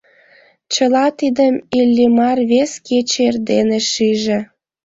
Чыла тидым Иллимар вес кече эрдене шиже.